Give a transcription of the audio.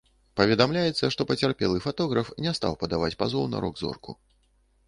Паведамляецца, што пацярпелы фатограф не стаў падаваць пазоў на рок-зорку.